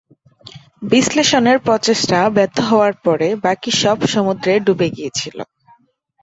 বিশ্লেষণের প্রচেষ্টা ব্যর্থ হওয়ার পরে বাকি সব সমুদ্রে ডুবে গিয়েছিল।